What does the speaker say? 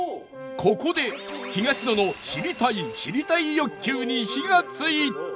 ここで東野の知りたい知りたい欲求に火がついた！